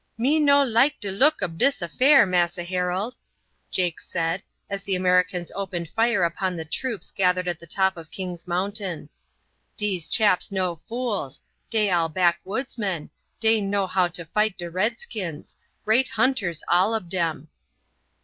"Me no like de look ob dis affair, Massa Harold," Jake said, as the Americans opened fire upon the troops gathered at the top of King's Mountain. "Dese chaps no fools; dey all backwoodsmen; dey know how to fight de redskins; great hunters all ob dem."